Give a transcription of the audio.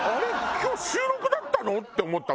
今日収録だったの？って思ったもん。